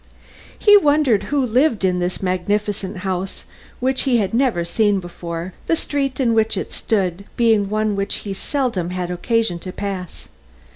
He wondered who lived in this magnificent house which he had never seen before, the street in which it stood being one which he seldom had occasion to pass.